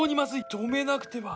止めなくては。